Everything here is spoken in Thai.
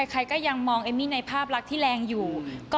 ใครก็ยังมองเอมมี่ในภาพลักษณ์ที่แรงอยู่